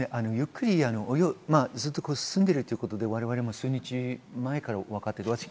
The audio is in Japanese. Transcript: ゆっくり進んでいるということで我々も数日前から分かっていました。